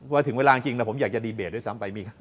ถึงเวลาจริงแล้วผมอยากจะดีเบตด้วยซ้ำไป